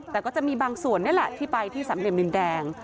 แต่ก็จะมีบางส่วนนี่แหละที่ไปที่สามเหลี่ยมดินแดง